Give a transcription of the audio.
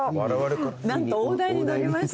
何と大台に乗りまして。